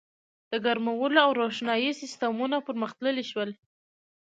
• د ګرمولو او روښنایۍ سیستمونه پرمختللي شول.